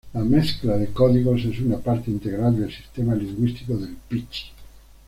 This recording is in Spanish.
La mezcla de códigos es una parte integral del sistema lingüístico del pichi.